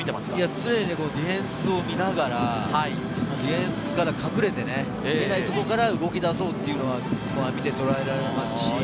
常にディフェンスを見ながら、ディフェンスから隠れて、見えないところから動き出そうというのが見て捉えられます。